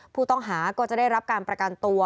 ผู้ต้องหาก็จะได้รับการประกันตัว